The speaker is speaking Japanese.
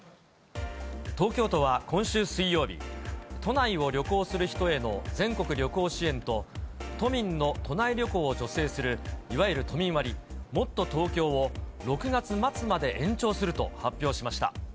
東京都は今週水曜日、都内を旅行する人への全国旅行支援と、都民の都内旅行を助成するいわゆる都民割、もっとＴｏｋｙｏを、６月末まで延長すると発表しました。